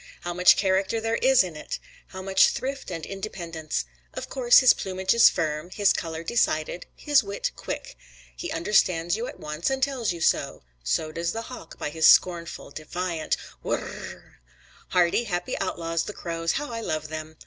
How much character there is in it! How much thrift and independence! Of course his plumage is firm, his color decided, his wit quick. He understands you at once and tells you so; so does the hawk by his scornful, defiant whir r r r r. Hardy, happy outlaws, the crows, how I love them!